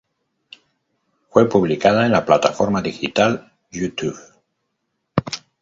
Fue publicada en la plataforma digital YouTube.